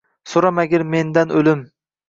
So’ramagil mendan o’lim